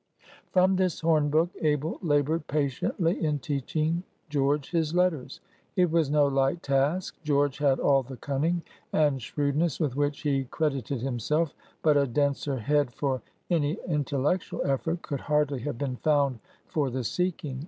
From this horn book Abel labored patiently in teaching George his letters. It was no light task. George had all the cunning and shrewdness with which he credited himself; but a denser head for any intellectual effort could hardly have been found for the seeking.